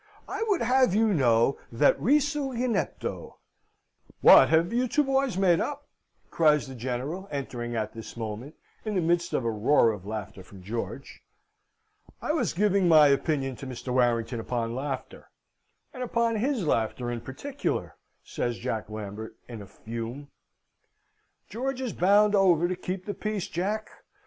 I would have you to know that risu inepto" "What, have you two boys made it up?" cries the General, entering at this moment, in the midst of a roar of laughter from George. "I was giving my opinion to Mr. Warrington upon laughter, and upon his laughter in particular," says Jack Lambert, in a fume. "George is bound over to keep the peace, Jack!